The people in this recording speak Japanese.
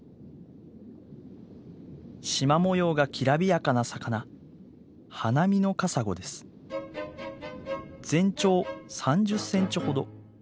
しま模様がきらびやかな魚全長３０センチほど。